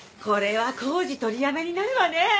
これは工事取りやめになるわね。